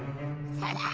そうだ！